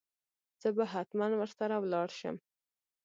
زه به هتمن ور سره ولاړ شم.